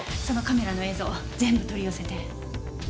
そのカメラの映像全部取り寄せて！